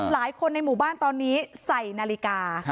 หลายคนในหมู่บ้านตอนนี้ใส่นาฬิกา